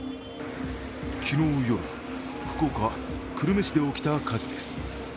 昨日夜、福岡・久留米市で起きた火災です。